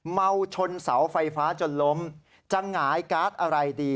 เมาชนเสาไฟฟ้าจนล้มจะหงายการ์ดอะไรดี